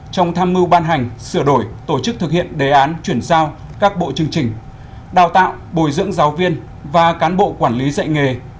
bốn trong tham mưu ban hành sửa đổi tổ chức thực hiện đề án chuyển giao các bộ chương trình đào tạo bồi dưỡng giáo viên và cán bộ quản lý dạy nghề